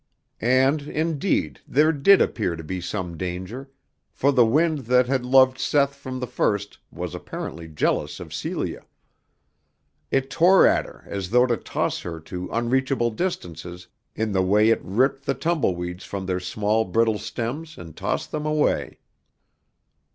And, indeed, there did appear to be some danger; for the wind that had loved Seth from the first was apparently jealous of Celia. It tore at her as though to toss her to unreachable distances in the way it ripped the tumbleweeds from their small brittle stems and tossed them away.